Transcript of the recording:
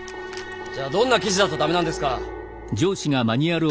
じゃあどんな記事だと駄目なんですか？